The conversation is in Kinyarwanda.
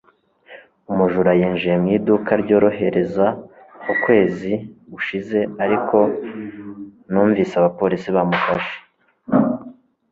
Umujura yinjiye mu iduka ryorohereza ukwezi gushize ariko numvise abapolisi bamufashe ejo